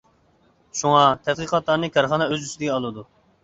شۇڭا، تەتقىقاتلارنى كارخانا ئۆز ئۈستىگە ئالىدۇ.